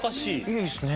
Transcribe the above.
いいですね。